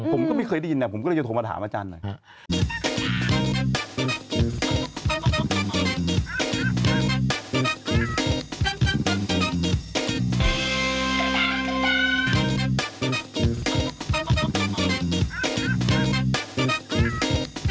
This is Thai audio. ผมก็ไม่เคยได้ยินผมก็เลยจะโทรมาถามอาจารย์หน่อยครับ